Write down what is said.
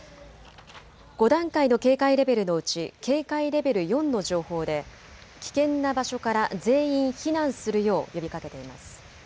５段階の警戒レベルのうち警戒レベル４の情報で危険な場所から全員避難するよう呼びかけています。